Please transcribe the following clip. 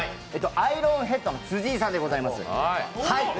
アイロンヘッドの辻井さんでございます。